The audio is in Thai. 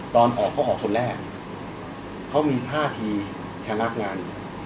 ตอนออกเขาออกคนแรกเขามีท่าทีชะงักงาน